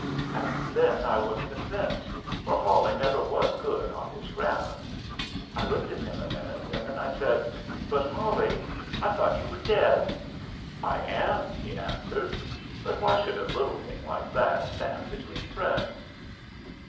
"And then I was convinced, for Hawley never was good on his grammar. I looked at him a minute, and then I said, 'But, Hawley, I thought you were dead.' "'I am,' he answered. 'But why should a little thing like that stand between friends?'